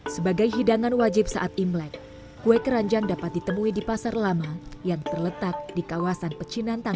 sebagai hidangan wajib saat imlek kue keranjang dapat ditemui di pasar lama yang terletak di kawasan pecinan tangan